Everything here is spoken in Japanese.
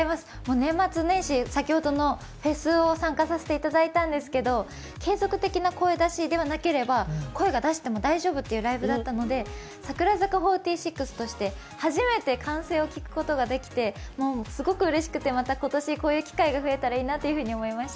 年末年始、先ほどのフェスに参加させていただいたんですけど継続的な声出しでなければ声を出しても大丈夫というライブだったので櫻坂４６として初めて歓声を聞くことができてすごくうれしくて、また今年こういう機会が増えたらいいなと思いました。